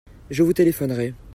Je vous téléphonerai.